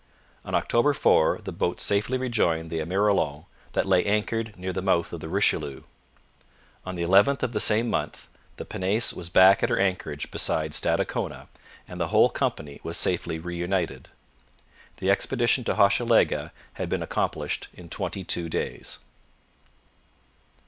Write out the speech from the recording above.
On October 4, the boats safely rejoined the Emerillon that lay anchored near the mouth of the Richelieu. On the 11th of the same month, the pinnace was back at her anchorage beside Stadacona, and the whole company was safely reunited. The expedition to Hochelaga had been accomplished in twenty two days.